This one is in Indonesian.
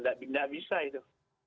tidak bisa itu